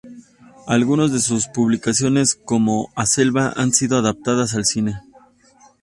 Algunas de sus publicaciones, como "A Selva", han sido adaptadas al cine.